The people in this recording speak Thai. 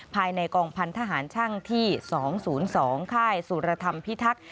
ภายในกองพันธหารช่างที่๒๐๒ค่ายสุรธรรมพิทักษ์